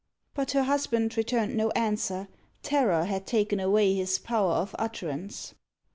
But her husband returned no answer. Terror had taken away his power of utterance.